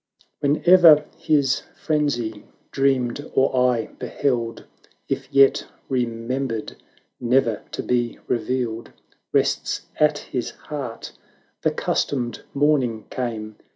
Whate'er his frenzy dreamed or eye beheld, — If yet remembered ne'er to be re vealed, — Rests at his heart: the customed morn ing came.